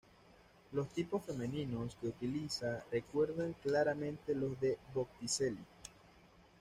Los tipos femeninos que utiliza recuerdan claramente los de Botticelli.